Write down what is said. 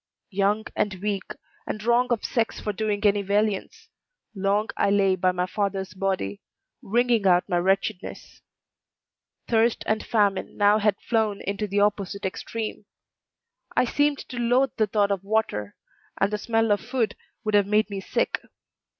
Young and weak, and wrong of sex for doing any valiance, long I lay by my father's body, wringing out my wretchedness. Thirst and famine now had flown into the opposite extreme; I seemed to loathe the thought of water, and the smell of food would have made me sick.